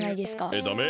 えっダメ？